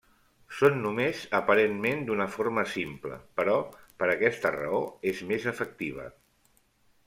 Són només aparentment d'una forma simple, però per aquesta raó és més afectiva.